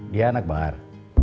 dia anak bahar